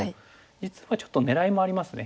実はちょっとねらいもありますね。